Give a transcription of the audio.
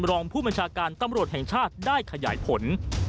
รองผู้บัญชาการตำรวจแห่งชาติได้ขยายผล